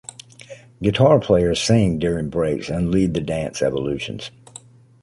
Guitar players sing during breaks and lead the dance evolutions.